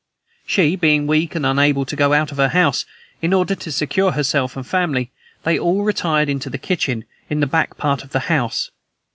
She being weak and unable to go out of her house, in order to secure herself and family, they all retired into the kitchen, in the back part of the house.